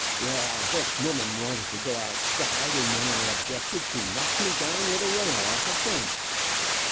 "Well this woman wanted to go outside, and when I objected, she knocked me down with a rail off a fence."